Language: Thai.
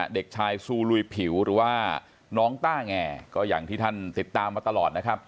เด็กชายซูลุยผิวหรือว่าน้องต้าแงก็อย่างที่ท่านติดตามมาตลอดนะครับ